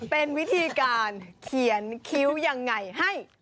เป็นวิธีการเขียนคิ้วยังไงให้